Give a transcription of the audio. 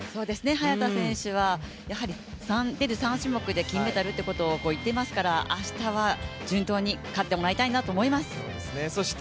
早田選手は３種目で金メダルということを言っていますから、明日は順当に勝ってもらいたいなと思います。